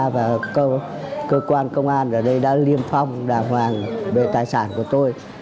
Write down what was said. và cơ quan công an ở đây đã liêm phong đàng hoàng về tài sản của tôi